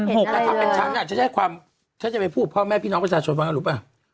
แต่ถ้าเป็นฉันฉันจะไปพูดพ่อแม่พี่น้องประสาทชนฟังรู้ป่ะ